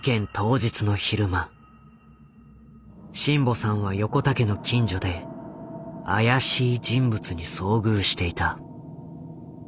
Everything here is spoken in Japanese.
眞保さんは横田家の近所で怪しい人物に遭遇していた。